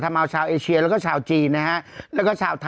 มาเอาชาวเอเชียแล้วก็ชาวจีนนะฮะ